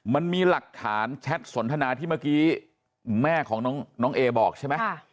มันมีหลักฐานแชทสนทนาที่เมื่อกี้แม่ของน้องเอบอกใช่ไหม